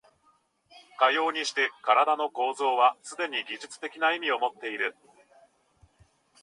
かようにして身体の構造はすでに技術的な意味をもっている。